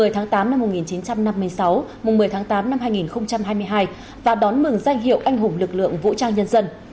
một mươi tháng tám năm một nghìn chín trăm năm mươi sáu một mươi tháng tám năm hai nghìn hai mươi hai và đón mừng danh hiệu anh hùng lực lượng vũ trang nhân dân